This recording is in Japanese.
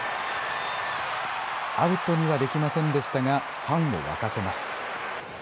アウトにはできませんでしたがファンを沸かせます。